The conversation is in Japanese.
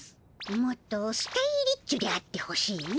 もっとスタイリッチュであってほしいの。